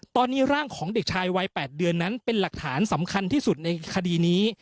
ตอนนี้ร่างของเด็กชายวัย๘เดือนนั้นเป็นหลักฐานสำคัญที่สุดในคดีนี้